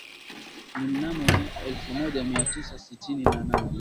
Na mnamo miaka ya elfu moja mia tisa sitini na nane